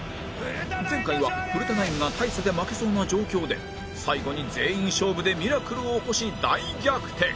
前回は古田ナインが大差で負けそうな状況で最後に全員勝負でミラクルを起こし大逆転！